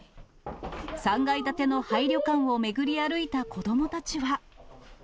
３階建ての廃旅館を巡り歩いた子どもたちは。